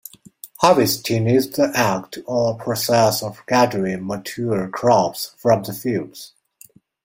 Harvesting is the act or process of gathering mature crops from the fields.